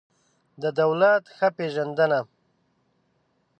د دولت ښه پېژندنه